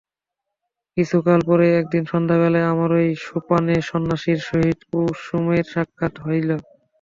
কিছুকাল পরে একদিন সন্ধ্যাবেলায় আমারই সোপানে সন্ন্যাসীর সহিত কুসুমের সাক্ষাৎ হইল।